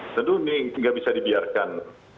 tentu ini tidak bisa dibiarkan